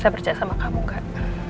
saya percaya sama kamu kan